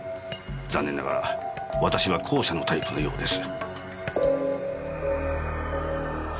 残念ながら私は後者のタイプのようです。